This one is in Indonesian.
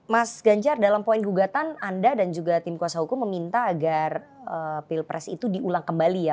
mas ganjar dalam poin gugatan anda dan juga tim kuasa hukum meminta agar pilpres itu diulang kembali ya